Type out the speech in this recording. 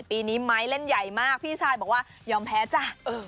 ปีนี้ไม้เล่นใหญ่มากพี่ชายบอกว่ายอมแพ้จ้ะ